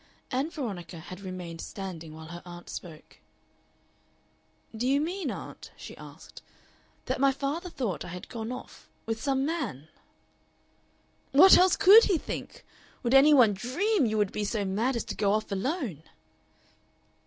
Ann Veronica had remained standing while her aunt spoke. "Do you mean, aunt," she asked, "that my father thought I had gone off with some man?" "What else COULD he think? Would any one DREAM you would be so mad as to go off alone?"